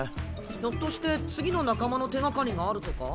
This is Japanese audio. ひょっとして次の仲間の手がかりがあるとか？